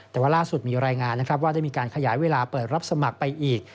แต่ว่าล่าสุดมีรายงานนะครับว่าได้มีการขยายเวลาเปิดรับสมัครไปอีก